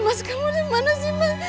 mas kamu dimana sih